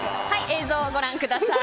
映像をご覧ください。